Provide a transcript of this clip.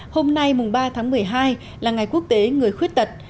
hôm nay mùng ba tháng một mươi hai là ngày quốc tế người khuyết tật